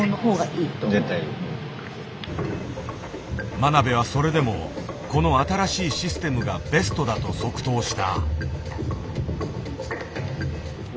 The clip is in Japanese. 真鍋はそれでもこの新しいシステムがベストだと即答した。